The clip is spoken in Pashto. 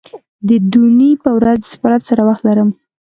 د دونۍ په ورځ د سفارت سره وخت لرم